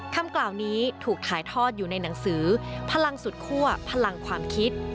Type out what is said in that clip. คำกล่าวนี้ถูกถ่ายทอดอยู่ในหนังสือพลังสุดคั่วพลังความคิด